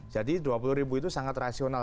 jadi dua puluh ribu itu sangat rasional